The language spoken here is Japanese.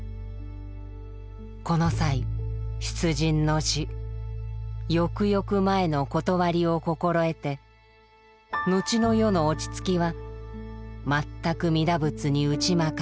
「この際出陣の士よくよく前のことわりを心得てのちの世のおちつきはまったく弥陀仏に打ち任せ